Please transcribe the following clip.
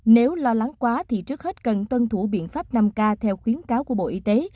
nếu lo lắng quá thì trước hết cần tuân thủ biện pháp năm k theo khuyến cáo của bộ y tế